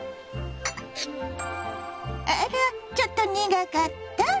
あらっちょっと苦かった？